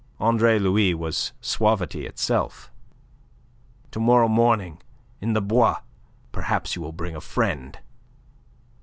Andre Louis was suavity itself. "To morrow morning, in the Bois. Perhaps you will bring a friend."